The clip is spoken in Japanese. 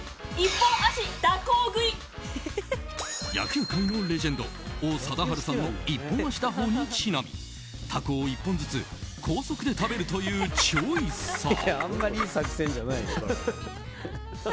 野球界のレジェンド王貞治さんの一本足打法にちなみタコを１本ずつ高速で食べるというｃｈｏｙさん。